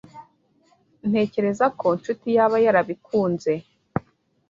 Ntekereza ko Nshuti yaba yarabikunze.